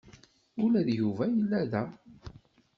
Ula d Yuba yella da.